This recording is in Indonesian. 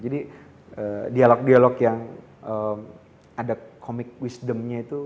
dialog dialog yang ada komik wisdomnya itu